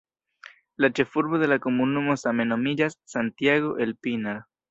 La ĉefurbo de la komunumo same nomiĝas "Santiago el Pinar".